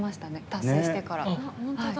達成してから。